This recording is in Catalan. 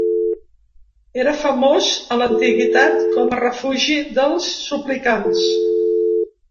Era famós a l'antiguitat com a refugi dels suplicants.